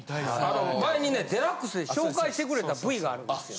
前にね『ＤＸ』で紹介してくれたＶがあるんですよ。